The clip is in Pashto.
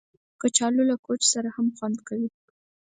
کچالو له کوچ سره هم خوند کوي